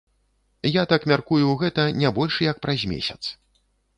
Я так мяркую, гэта не больш як праз месяц.